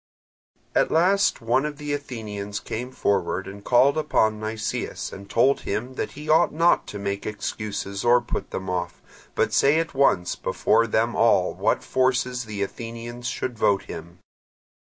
At last one of the Athenians came forward and called upon Nicias and told him that he ought not to make excuses or put them off, but say at once before them all what forces the Athenians should vote him.